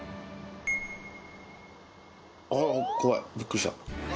おー、怖い、びっくりした。